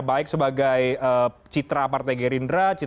baik sebagai citra partai gerindra citra politik